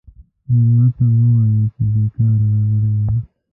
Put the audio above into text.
مېلمه ته مه وایه چې بیکاره راغلی یې.